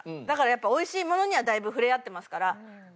だからやっぱ美味しいものにはだいぶ触れ合ってますから。